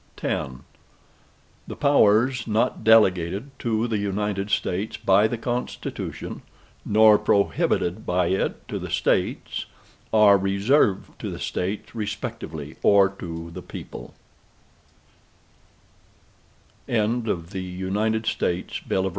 X The powers not delegated to the United States by the Constitution, nor prohibited by it to the States, are reserved to the States respectively, or to the people.